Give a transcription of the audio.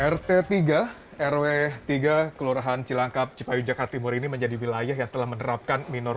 rt tiga rw tiga kelurahan cilangkap cipayu jakarta timur ini menjadi wilayah yang telah menerapkan minor